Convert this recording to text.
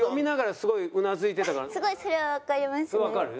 すごいそれはわかりますね。